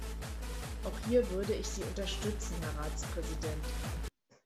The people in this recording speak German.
Auch hier würde ich Sie unterstützen, Herr Ratspräsident.